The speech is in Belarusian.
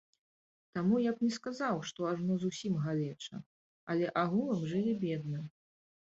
Таму я б не сказаў, што ажно зусім галеча, але агулам жылі бедна.